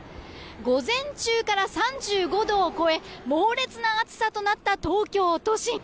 午前中から３５度を超え猛烈な暑さとなった東京都心。